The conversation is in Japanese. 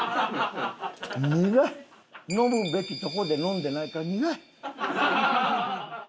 飲むべきとこで飲んでないから苦い。